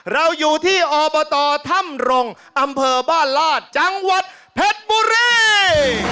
เราอยู่ที่อบตถ้ำรงอำเภอบ้านลาดจังหวัดเพชรบุรี